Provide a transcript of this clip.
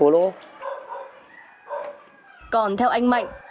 còn theo anh mạnh